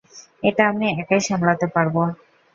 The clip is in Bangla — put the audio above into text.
এটা আমি একাই সামলাতে পারব।